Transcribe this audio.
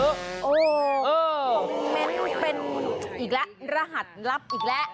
โอ้โหคอมเมนต์เป็นอีกแล้วรหัสลับอีกแล้ว